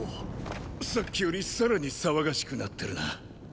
さっきよりさらに騒がしくなってるな。